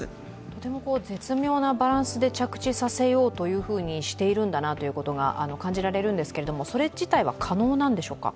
とても絶妙なバランスで着地させようとしているんだなと感じられるんですがそれ自体は可能なんでしょうか？